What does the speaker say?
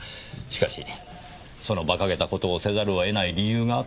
しかしその馬鹿げた事をせざるを得ない理由があったという事ですよ。